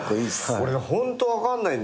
俺ねホント分かんないんだよね。